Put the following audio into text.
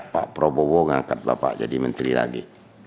pak prabowo ngangkat bapak jadi menteri lagi